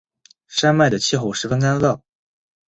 山脉的气候十分干燥。